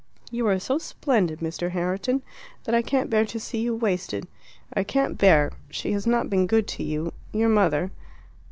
"You are so splendid, Mr. Herriton, that I can't bear to see you wasted. I can't bear she has not been good to you your mother."